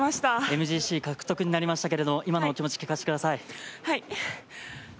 ＭＧＣ獲得になりましたけれど今のお気持ち、聞かせてください。